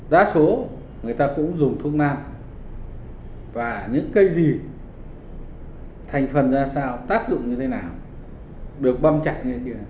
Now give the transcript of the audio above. đa số người ta cũng dùng thuốc nam và những cây gì thành phần ra sao tác dụng như thế nào được băm chặt như thế này